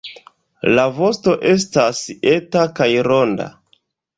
La vosto estas eta kaj ronda.